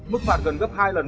mức phạt gần gấp hai lần